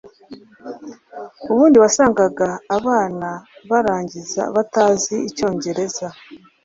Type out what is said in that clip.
ubundi wasangaga abana barangiza batazi Icyongereza